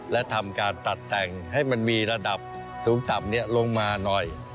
และทำการตัดแต่งให้มันมีระดับสูงต่ำลงมาหน่อย